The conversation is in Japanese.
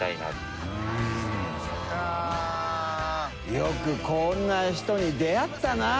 よくこんな人に出会ったな。